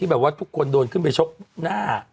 แบบว่าทุกคนโดนขึ้นไปชกหน้า